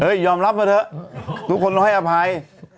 เฮ้ยยอมรับมาเถอะทุกคนเราให้อภัย